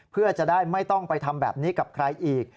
เพื่อจะได้ไม่ต้องไปทำแบบนี้กับใครอีก